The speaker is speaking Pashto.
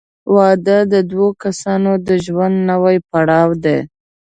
• واده د دوه کسانو د ژوند نوی پړاو دی.